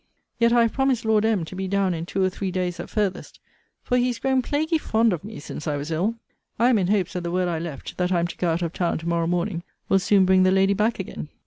Yet I have promised Lord M. to be down in two or three days at farthest; for he is grown plaguy fond of me since I was ill. I am in hopes that the word I left, that I am to go out of town to morrow morning, will soon bring the lady back again.